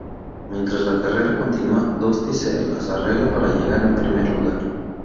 Mientras la carrera continúa, Dusty se las arregla para llegar en primer lugar.